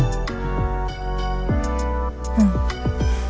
うん。